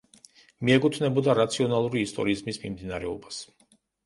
მიეკუთვნებოდა „რაციონალური ისტორიზმის“ მიმდინარეობას.